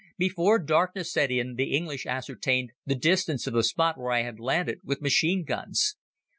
Before darkness set in the English ascertained the distance of the spot where I had landed with machine guns.